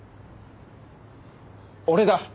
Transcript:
俺だ！